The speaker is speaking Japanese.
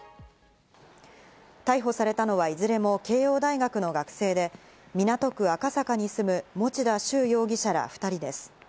逮捕されたのは、いずれも慶應大学の学生で、港区赤坂に住む持田崇容疑者ら２人です。